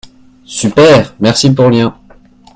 Super, merci pour le lien.